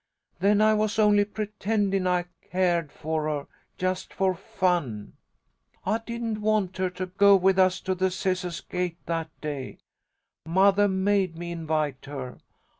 Then I was only pretendin' I cared for her, just for fun. I didn't want her to go with us to the Scissahs gate that day. Mothah made me invite her.